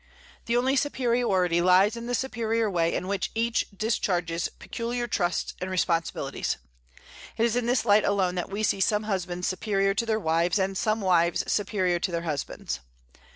The only superiority lies in the superior way in which each discharges peculiar trusts and responsibilities. It is in this light alone that we see some husbands superior to their wives, and some wives superior to their husbands.